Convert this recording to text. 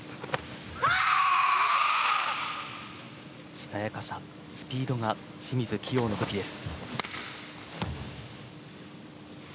しなやかさ、スピードが清水希容の武器です。